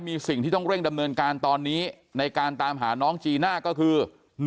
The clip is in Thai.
มีสิ่งที่ต้องเร่งดำเนินการตอนนี้ในการตามหาน้องจีน่าก็คือ